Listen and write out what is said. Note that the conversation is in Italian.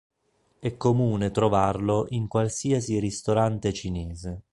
È comune trovarlo in qualsiasi ristorante cinese.